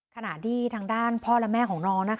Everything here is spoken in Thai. ขณะที่ทางด้านพ่อและแม่ของน้อง